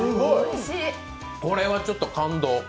これはちょっと感動。